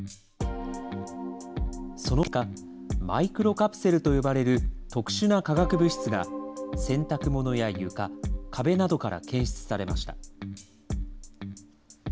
その結果、マイクロカプセルと呼ばれる特殊な化学物質が、洗濯物や床、壁などから検出されました。